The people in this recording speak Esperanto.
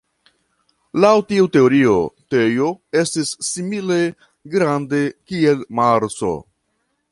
Laŭ tiu teorio Tejo estis simile grande kiel Marso.